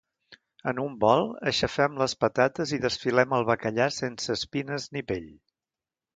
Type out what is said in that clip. En un bol, aixafem les patates i desfilem el bacallà sense espines ni pell.